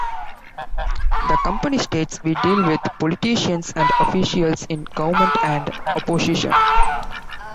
The company states, We deal with politicians and officials, in government and opposition.